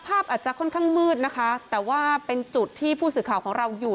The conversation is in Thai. อาจจะค่อนข้างมืดนะคะแต่ว่าเป็นจุดที่ผู้สื่อข่าวของเราอยู่